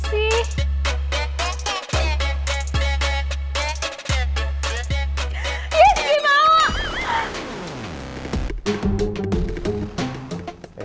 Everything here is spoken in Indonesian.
yes dia mau